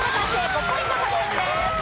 ５ポイント獲得です。